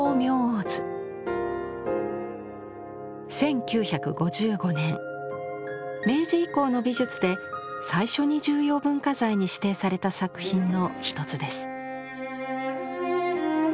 １９５５年明治以降の美術で最初に重要文化財に指定された作品の一つです。